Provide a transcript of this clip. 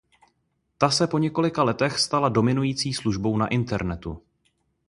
Ta se po několika letech stala dominující službou na Internetu.